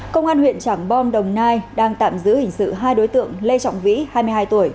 công an huyện trảng bom đồng nai đang tạm giữ hình sự hai đối tượng lê trọng vĩ hai mươi hai tuổi